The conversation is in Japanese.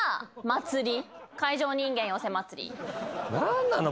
何なの？